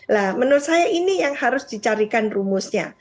nah menurut saya ini yang harus dicarikan rumusnya